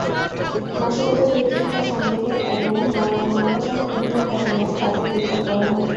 নাশকতায় জড়িত থাকার সন্দেহে এবং মামলাসহ বিভিন্ন ঘটনায় তাঁদের গ্রেপ্তার করা হয়।